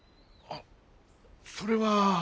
あっそれは。